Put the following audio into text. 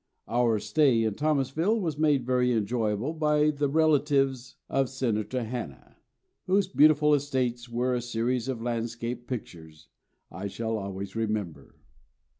Our stay in Thomasville was made very enjoyable by the relatives of Senator Hanna, whose beautiful estates were a series of landscape pictures I shall always remember.